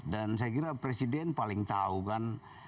saya kira presiden paling tahu kan